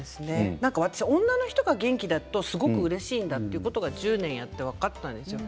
私、女の人が元気だとすごくうれしいということは１０年やって分かったんです。